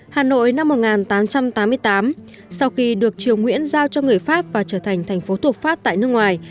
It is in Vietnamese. hà nội năm một nghìn tám trăm tám mươi tám sau khi được triều nguyễn giao cho người pháp và trở thành thành phố thuộc pháp tại nước ngoài